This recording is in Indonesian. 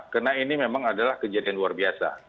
karena ini memang adalah kejadian luar biasa